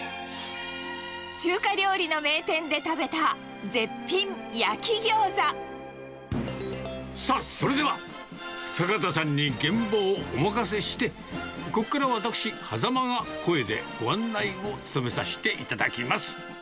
中華料理の名店で食べた絶品さあ、それでは、坂田さんに現場をお任せして、ここからは私、羽佐間が、声でご案内を務めさせていただきます。